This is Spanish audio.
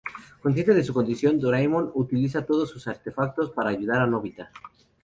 Consciente de su condición, Doraemon utiliza todos sus artefactos para ayudar a Nobita.